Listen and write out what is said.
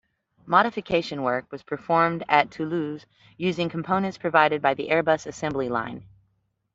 Modification work was performed at Toulouse using components provided by the Airbus assembly line.